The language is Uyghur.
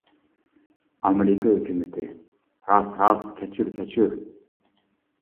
ئامېرىكا ھۆكۈمىتى: راست، راست، كەچۈر، كەچۈر!